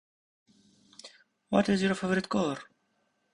What is your favorite color?